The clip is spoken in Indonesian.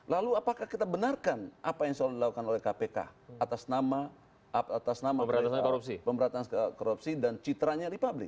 lalu apakah kita benarkan apa yang selalu dilakukan oleh kpk atas nama pemberantasan korupsi dan citranya di publik